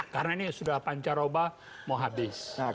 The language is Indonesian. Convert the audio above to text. karena ini sudah pancar oba mau habis